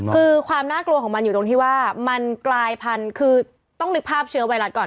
คือความน่ากลัวของมันอยู่ตรงที่ว่ามันกลายพันธุ์คือต้องนึกภาพเชื้อไวรัสก่อน